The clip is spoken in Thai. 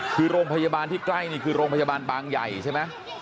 คือโรงพยาบาลที่ใกล้นี่คือโรงพยาบาลบางใหญ่ใช่ไหม